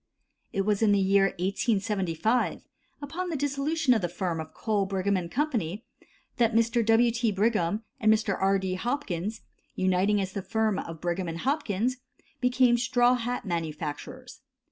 It was in the year 1875, upon the dissolution of the firm of Cole, Brigham & Co., that Mr. W. T. Brigham and Mr. R. D. Hopkins, uniting as the firm of Brigham & Hopkins, became straw hat manufacturers.